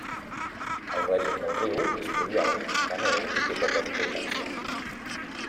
El règim del riu és pluvial, la neu hi té poca importància.